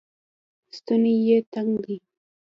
ستونی یې تنګ دی